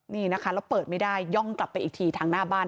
นี่นะคะแล้วเปิดไม่ได้ย่องกลับไปอีกทีทางหน้าบ้าน